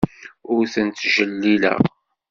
Ur tent-ttjellileɣ.